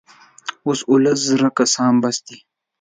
اوس اوولس زره کسان بس دي.